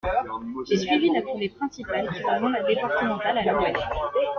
J’ai suivi la coulée principale qui rejoint la départementale à l’ouest.